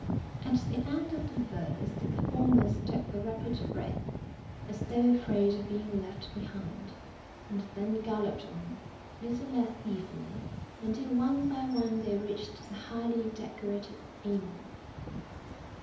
At the end of the verse the performers took a rapid breath, as though afraid of being left behind, and then galloped on, a little less evenly, until one by one they reached the highly decorated Amen.